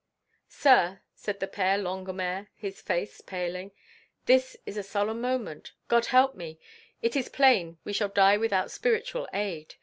"Sir," said the Père Longuemare, his face paling, "this is a solemn moment. God help me! It is plain we shall die without spiritual aid.